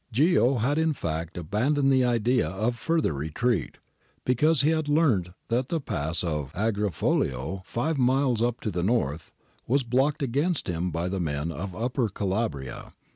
Ghio had in fact abandoned the idea of further retreat, because he had learnt that the pass of Agrifoglio, five miles to the north, was blocked against him by the men of Upper Calabria.